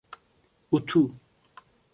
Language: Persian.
اتو